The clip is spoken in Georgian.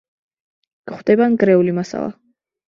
გვხვდება ნგრეული მასალა.